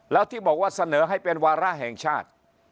แล้วที่บอกว่าเสนอให้เป็นวาระแห่งชาติ